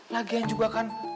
lagian juga kayaknya